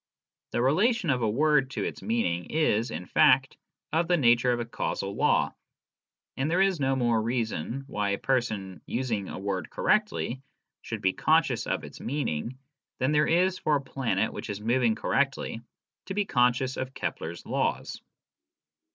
The relation of a word to its meaning is, in fact, of the nature of a causal law, and there is no more reason why a person using a word correctly should be conscious of its meaning than there is for a planet which is moving correctly to be conscious of Kepler's laws.